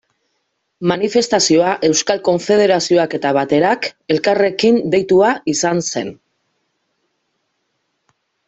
Manifestazioa Euskal Konfederazioak eta Baterak elkarrekin deitua izan zen.